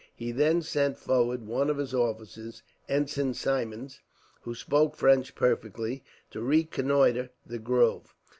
He then sent forward one of his officers, Ensign Symmonds, who spoke French perfectly, to reconnoitre the grove.